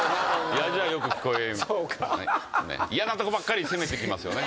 嫌なとこばっかり責めてきますよね